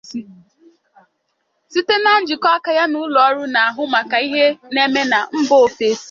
site na njikọaka ya na ụlọọrụ na-ahụ maka ihe na-eme na mba òfèsi